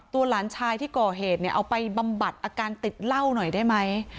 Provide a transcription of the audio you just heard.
หลานชายที่ก่อเหตุเนี่ยเอาไปบำบัดอาการติดเหล้าหน่อยได้ไหม